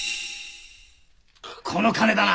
この金だな？